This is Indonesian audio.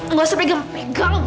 nggak usah pegang pegang